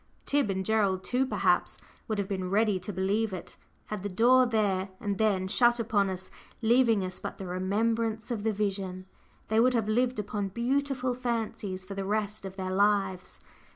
Tib and Gerald too, perhaps would have been ready to believe it. Had the door there and then shut upon us, leaving us but the remembrance of the vision, they would have lived upon beautiful fancies for the rest of their lives.